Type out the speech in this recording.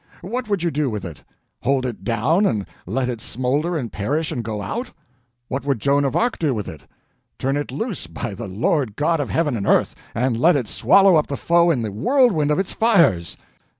What would you do with it? Hold it down and let it smolder and perish and go out? What would Joan of Arc do with it? Turn it loose, by the Lord God of heaven and earth, and let it swallow up the foe in the whirlwind of its fires!